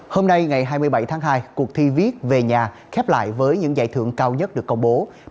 hôm nay ngày hai mươi bảy tháng hai cuộc thi viết về nhà khép lại với những giải thưởng cao nhất được công bố